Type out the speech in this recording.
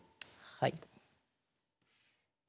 はい。